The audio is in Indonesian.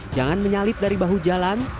jangan menyalip dari bahu jalan